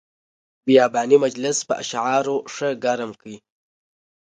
بیاباني مجلس په اشعارو ښه ګرم کړ.